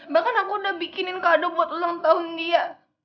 bahkan aku udah bikinin kado buat ulang tahun dia